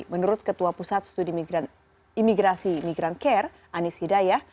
menurut ketua pusat studi imigrasi migran care anies hidayah